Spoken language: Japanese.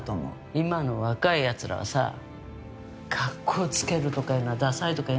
今の若い奴らはさかっこつけるとかいうのはダサいとか言うんでしょう？